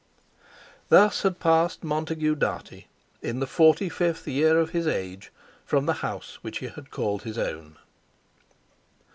Thus had passed Montague Dartie in the forty fifth year of his age from the house which he had called his own.